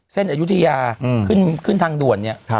อายุทยาขึ้นทางด่วนเนี่ย